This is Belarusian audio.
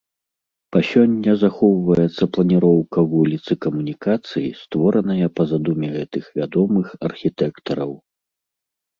Па сёння захоўваецца планіроўка вуліц і камунікацый, створаная па задуме гэтых вядомых архітэктараў.